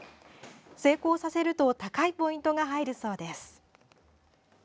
成功させると高いポイントが入るそうです。